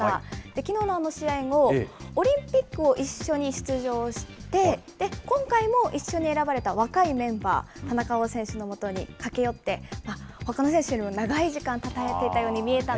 きのうの試合後、オリンピックを一緒に出場して、今回も一緒に選ばれた若いメンバー、田中碧選手のもとに駆け寄って、ほかの選手も長い時間、絆がある。